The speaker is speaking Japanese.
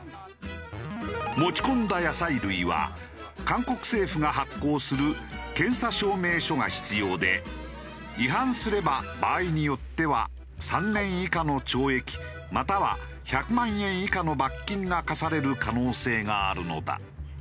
持ち込んだ野菜類は韓国政府が発行する検査証明書が必要で違反すれば場合によっては３年以下の懲役または１００万円以下の罰金が科される可能性があるのだ。